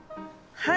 はい。